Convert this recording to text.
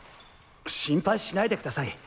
心配しないでください。